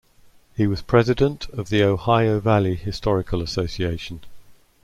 He was president of the Ohio Valley Historical Association.